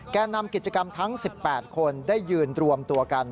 แก่นำกิจกรรมทั้ง๑๘คนได้ยืนรวมตัวกัน